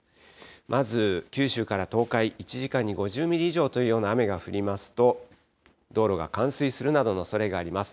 まず九州から東海、１時間に５０ミリ以上というような雨が降りますと、道路が冠水するなどのおそれがあります。